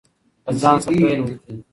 له ځان څخه پیل وکړئ.